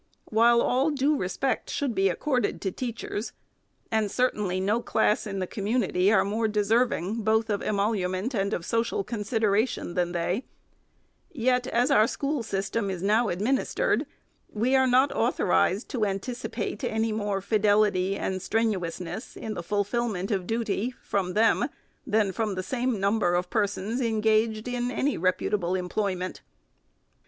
While all due respect should be accorded to teachers — and certainly no class in the community are more deserving both of emolument and of social con sideration than they — yet, as our school system is now administered, we are not authorized to anticipate any more fidelity and strenuousness in the fulfilment of duty from them than from the same number of persons en gaged in any reputable employment.